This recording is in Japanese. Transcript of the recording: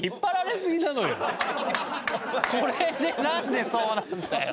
これでなんでそうなるんだよ。